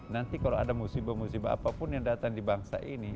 nanti kalau ada musibah musibah apapun yang datang di bangsa ini